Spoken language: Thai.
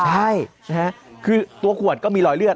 ใช่นะฮะคือตัวขวดก็มีรอยเลือด